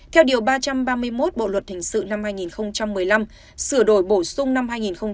theo điều ba trăm ba mươi một bộ luật hình sự năm hai nghìn một mươi năm sửa đổi bổ sung năm hai nghìn một mươi bảy